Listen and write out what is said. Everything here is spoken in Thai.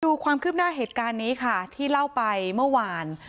ดูความคืบหน้าเหตุการณ์นี้ค่ะที่เล่าไปเมื่อวาน